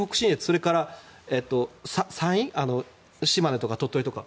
それから山陰島根とか鳥取とか。